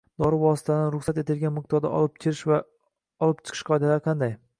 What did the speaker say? dori vositalarini ruxsat etilgan miqdorda olib kirish va olib chiqish qoidalari qanday?